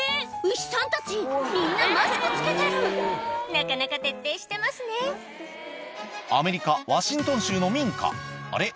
牛さんたちみんなマスク着けてるなかなか徹底してますねアメリカワシントン州の民家あれ？